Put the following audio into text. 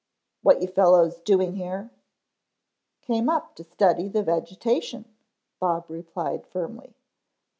"What you fellows doing here?" "Came up to study the vegetation," Bob replied firmly.